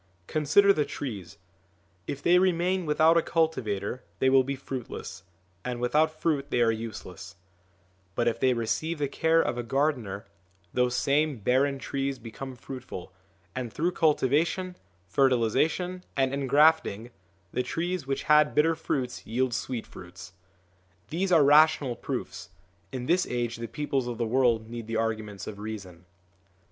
Consider the trees : if they remain without a cultivator they will be fruitless, and without fruit they are useless ; but if they receive the care of a gardener, these same barren trees become fruitful, and through cultivation, fertilisation, and engrafting, the trees which had bitter fruits yield sweet fruits. These are rational proofs ; in this age the peoples of the world need the arguments of reason.